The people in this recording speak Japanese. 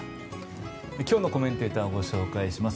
今日のコメンテーターをご紹介します。